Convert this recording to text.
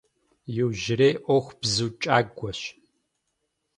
Иужьрей Iуэху бзу кIагуэщ.